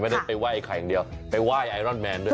ไม่ได้ไปไหว้ไข่อย่างเดียวไปไหว้ไอรอนแมนด้วย